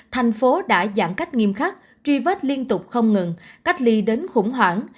thành phố đã giãn cách nghiêm khắc truy vết liên tục không ngừng cách ly đến khủng hoảng